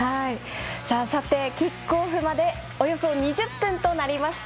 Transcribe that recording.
さて、キックオフまでおよそ２０分となりました。